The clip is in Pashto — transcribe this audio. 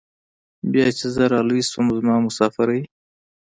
بيا چې زه رالوى سوم زما مسافرۍ.